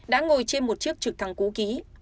đã ngồi trên một chiếc trực thăng cú ký